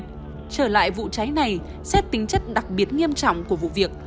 quay trở lại vụ cháy này xét tính chất đặc biệt nghiêm trọng của vụ việc